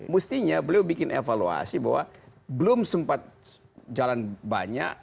mestinya beliau bikin evaluasi bahwa belum sempat jalan banyak